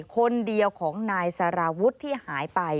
คนเดียวของนายสารวุฒิที่หายไป